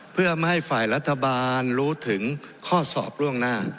เพื่อไม่ให้ฝ่ายรัฐบาลรู้ถึงข้อสอบล่วงหน้า